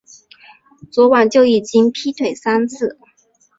昨晚就已经劈腿三次